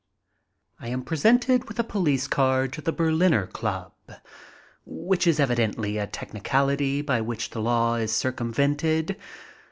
I am presented with a police card to the Berliner Club, which is evidently a technicality by which the law is cir cumvented.